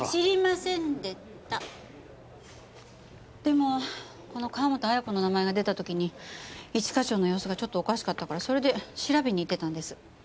でもこの川本綾子の名前が出た時に一課長の様子がちょっとおかしかったからそれで調べに行ってたんです。